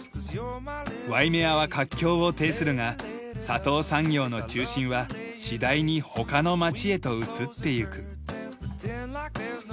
ワイメアは活況を呈するが砂糖産業の中心は次第に他の町へと移っていく。